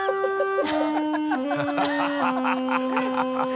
ハハハ